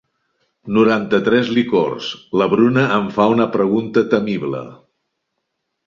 Noranta-tres licors, la Bruna em fa una pregunta temible.